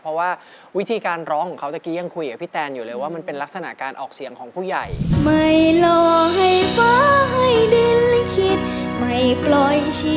เพราะว่าวิธีการร้องของเขาตะกี้ยังคุยกับพี่แตนอยู่เลยว่ามันเป็นลักษณะการออกเสียงของผู้ใหญ่